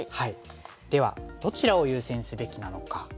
ではどちらを優先すべきなのか。